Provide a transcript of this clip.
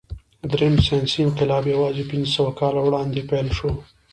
درېیم ساینسي انقلاب یواځې پنځهسوه کاله وړاندې پیل شو.